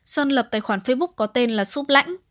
sơn lập tài khoản facebook có tên là shop lãnh